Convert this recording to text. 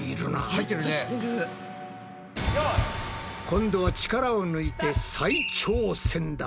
今度は力を抜いて再挑戦だ。